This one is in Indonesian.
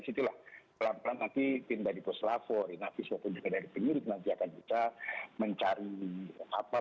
situlah pelan pelan nanti pindah di poslavo inafis untuk menjadi penyelidikan jatah kita mencari apa